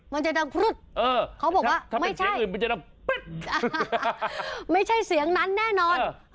ไม่ใช่เขาบอกว่าไม่ใช่ไม่ใช่เสียงนั้นแน่นอน